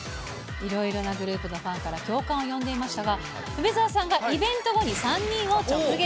いろいろなグループのファンから共感を呼んでいましたが、梅澤さんがイベント後に３人を直撃。